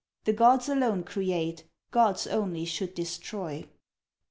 The gods alone create, gods only should destroy.